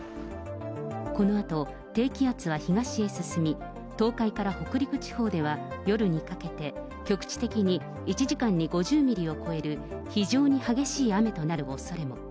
このあと、低気圧は東へ進み、東海から北陸地方では夜にかけて局地的に１時間に５０ミリを超える非常に激しい雨となるおそれも。